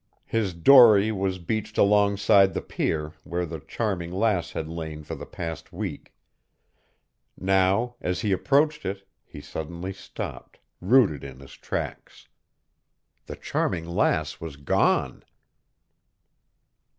His dory was beached alongside the pier where the Charming Lass had lain for the past week. Now, as he approached it, he suddenly stopped, rooted in his tracks. The Charming Lass was gone.